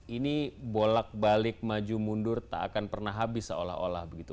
ini bolak balik maju mundur tak akan pernah habis seolah olah begitu